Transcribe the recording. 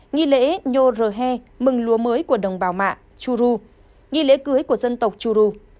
nghi lễ nhô rhe mừng lúa mới của đồng bào mạ churu nghi lễ cưới của dân tộc churu